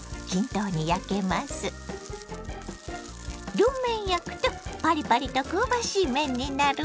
両面焼くとパリパリと香ばしい麺になるわよ！